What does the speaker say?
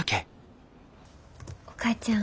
お母ちゃん。